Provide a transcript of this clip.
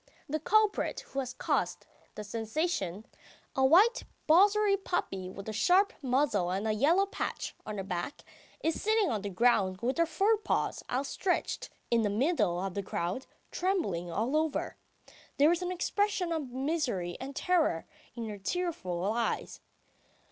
The culprit who has caused the sensation, a white borzoy puppy with a sharp muzzle and a yellow patch on her back, is sitting on the ground with her fore paws outstretched in the middle of the crowd, trembling all over. There is an expression of misery and terror in her tearful eyes.